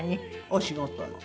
お仕事の。